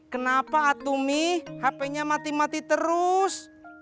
kenapa atumi hpnya mati mati terus